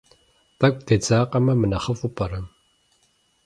ТӀэкӀу дедзакъэмэ мынэхъыфӀу пӀэрэ?